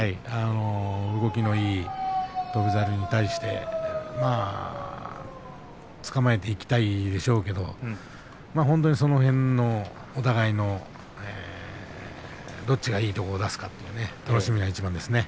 動きのいい翔猿に対してつかまえていきたいでしょうけど本当にその辺のお互いのどっちがいいところを出すかというのが楽しみな一番ですね。